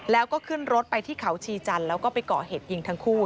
แล้วก็ขึ้นรถไปที่เขาชีจันทร์แล้วก็ไปก่อเหตุยิงทั้งคู่